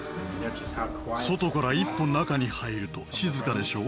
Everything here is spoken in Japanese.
外から一歩中に入ると静かでしょう？